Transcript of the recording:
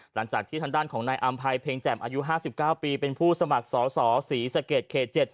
หลังจากที่ทางด้านของนายอำภัยเพ็งแจ่มอายุ๕๙ปีเป็นผู้สมัครสอสอศรีสะเกดเขต๗